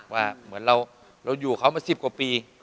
ว่าเหมือนเราอยู่เขามา๑๐กว่าปี